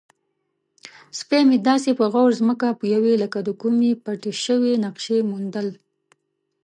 سپی مې داسې په غور ځمکه بویوي لکه د کومې پټې شوې نقشې موندل.